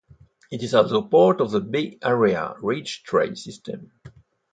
It is also part of the Bay Area Ridge Trail system.